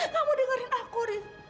kamu dengerin aku haris